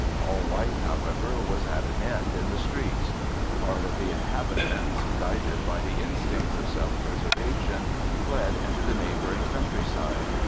All life, however, was at an end in the streets. Part of the inhabitants, guided by the instincts of self preservation, fled into the neighbouring country side.